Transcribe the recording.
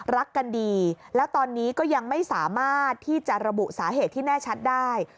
รักกันดีแล้วตอนนี้ก็ยังไม่สามารถที่จะระบุสาเหตุที่แน่ชัดได้